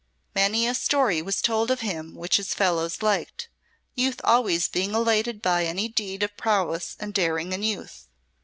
Many a story was told of him which his fellows liked, youth always being elated by any deed of prowess and daring in youth.